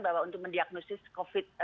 bahwa untuk mendiagnosis covid sembilan belas